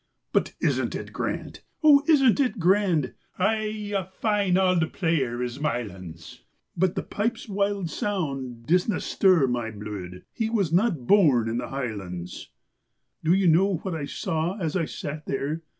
"But isn't it grand? O, isn't it grand?" "Ay, a fine auld player is Mylands, But the pipes' wild sound disna stir my bluid" He was not born in the highlands. Do you know what I saw as I sat there?